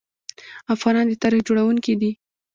افغانان د تاریخ جوړونکي دي.